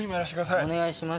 お願いします